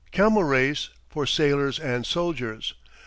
Camel race, for sailors and soldiers.